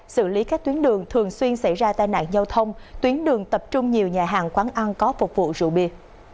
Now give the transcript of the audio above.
xử lý các tuyến đường thường xuyên xảy ra tai nạn giao thông tuyến đường tập trung nhiều nhà hàng quán ăn có phục vụ rượu bia